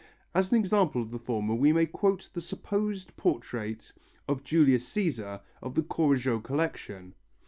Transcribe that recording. As an example of the former we may quote the supposed portrait of Julius Cæsar of the Courajod collection.